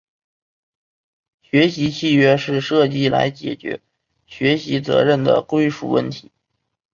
学习契约是设计来解决学习责任的归属问题。